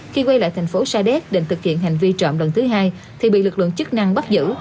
khi quay lại thành phố sa đéc định thực hiện hành vi trộm lần thứ hai thì bị lực lượng chức năng bắt giữ